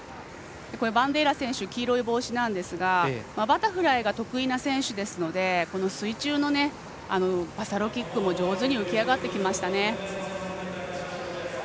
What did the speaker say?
バンデイラ選手黄色い帽子なんですがバタフライが得意な選手なので水中のバサロキックも上手に浮き上がってきましたね。